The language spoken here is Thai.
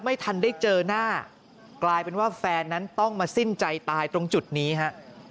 ไม่ทันได้เจอหน้ากลายเป็นว่าแฟนนั้นต้องมาสิ้นใจตายตรงจุดนี้ฮะ